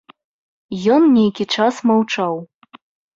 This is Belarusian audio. Ён нейкі час маўчаў.